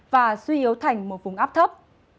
và suy yếu thành một vùng áp thấp